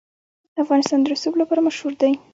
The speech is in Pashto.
افغانستان د رسوب لپاره مشهور دی.